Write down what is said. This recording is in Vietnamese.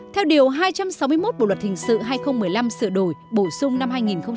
theo điều hai trăm sáu mươi một bộ luật hình sự hai nghìn một mươi năm sửa đổi bổ sung năm hai nghìn một mươi bảy